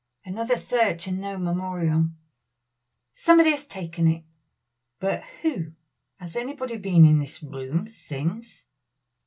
Another search and no memorial. "Somebody has taken it." "But who? has anybody been in this room since?"